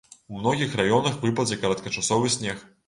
У многіх раёнах выпадзе кароткачасовы снег.